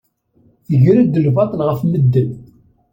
Tger-d lbaṭel ɣef medden.